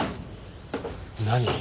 何？